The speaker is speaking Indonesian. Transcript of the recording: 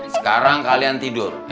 sekarang kalian tidur